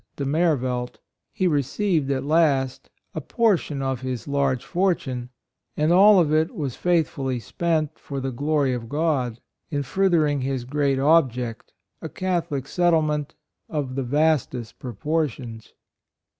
59 De Mervelt, he received at last, a portion of his large fortune; and all of it was faithfully spent for the glory of God, in furthering his great object, a Catholic settlement of the vastest proportions.